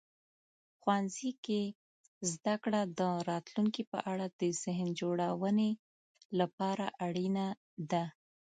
ښوونځي کې زده کړه د راتلونکي په اړه د ذهن جوړونې لپاره اړینه ده.